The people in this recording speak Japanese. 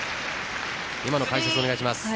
今の解説をお願いします。